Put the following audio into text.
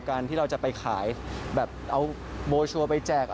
การที่เราจะไปขายแบบเอาโมชัวร์ไปแจก